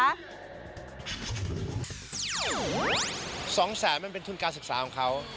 ๒๐๐๐๐๐บาทมันเป็นทุนการศึกษาของเขา